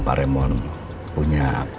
pak raymond punya